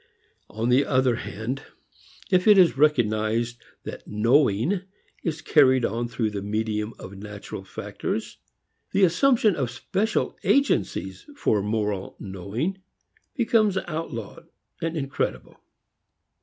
On the other hand if it is recognized that knowing is carried on through the medium of natural factors, the assumption of special agencies for moral knowing becomes outlawed and incredible.